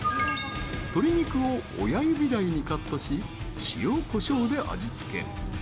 鶏肉を親指大にカットし塩、こしょうで味付け。